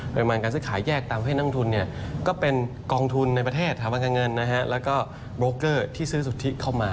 โบรกเกอร์ที่ซื้อสุทธิเข้ามา